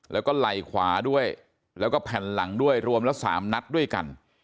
แล้วก็ไหล่ขวาด้วยแล้วก็แผ่นหลังด้วยรวมละ๓นัดด้วยกัน